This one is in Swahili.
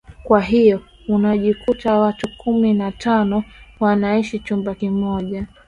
kwa hiyo unajikuta watu kumi na tano wanaaiishi chumba kimoja